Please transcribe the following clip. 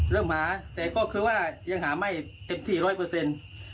เริ่มหาแต่ก็คือว่ายังหาไม่เต็มที่ร้อยเปอร์เซ็นต์